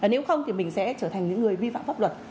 nếu không thì mình sẽ trở thành những người vi phạm pháp luật